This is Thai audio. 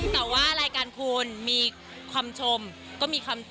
แต่ว่ารายการคุณมีความชมตีด์